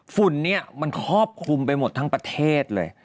ฝุ่นเนี่ยมันครอบคลุมไปหมดทั้งประเทศเลย